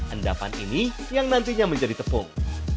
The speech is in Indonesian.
endapan ini yang nantinya menjadi tepung